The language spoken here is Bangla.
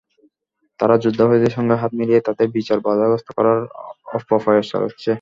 তারা যুদ্ধাপরাধীদের সঙ্গে হাত মিলিয়ে তাদের বিচার বাধাগ্রস্ত করার অপপ্রয়াস চালাচ্ছে।